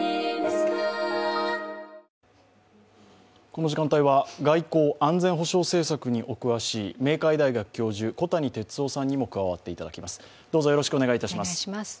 この時間帯は外交・安全保障政策にお詳しい明海大学教授・小谷哲男さんにも加わっていただきます。